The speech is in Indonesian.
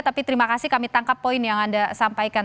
tapi terima kasih kami tangkap poin yang anda sampaikan